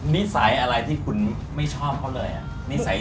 นิสัยอะไรที่คุณไม่ชอบเขาเลย